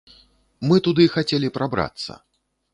Мы туды хацелі прабрацца!